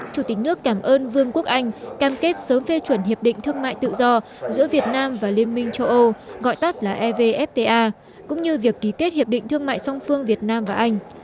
chủ tịch nước cảm ơn vương quốc anh cam kết sớm phê chuẩn hiệp định thương mại tự do giữa việt nam và liên minh châu âu gọi tắt là evfta cũng như việc ký kết hiệp định thương mại song phương việt nam và anh